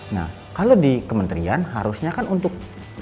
nah kalau di kementerian harusnya kan untuk